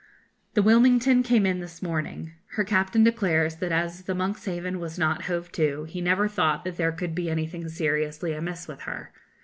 The 'Wilmington' came in this morning. Her captain declares that as the 'Monkshaven' was not hove to, he never thought that there could be anything seriously amiss with her.